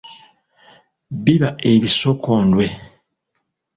Biba ebisokondwe.